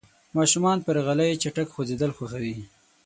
ماشومان پر غالۍ چټک خوځېدل خوښوي.